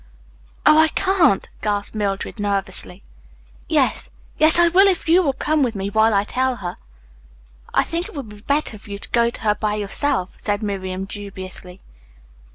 "Oh, I can't," gasped Mildred nervously, "Yes, yes, I will if you will come with me while I tell her." "I think it would be better for you to go to her by yourself," said Miriam dubiously.